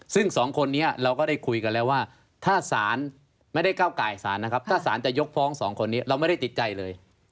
ซึ่งสองคนนี้เราก็ได้คุยกันแล้วว่าถ้าศาลไม่ได้เก้าไก่สารนะครับถ้าสารจะยกฟ้องสองคนนี้เราไม่ได้ติดใจเลย